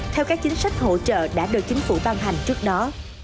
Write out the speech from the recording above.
theo các chính sách hỗ trợ đã được chính phủ ban hành trước đó